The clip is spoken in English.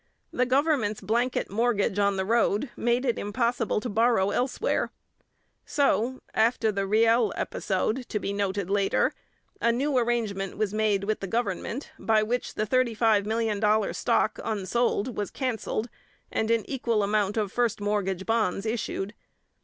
The government's blanket mortgage on the road made it impossible to borrow elsewhere. So, after the Riel episode, to be noted later, a new arrangement was made with the government by which the $35,000,000 stock unsold was cancelled and an equal amount of first mortgage bonds issued.